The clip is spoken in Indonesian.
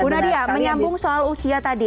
bu nadia menyambung soal usia tadi